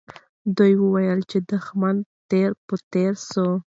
دوی وویل چې دښمن تار په تار سو.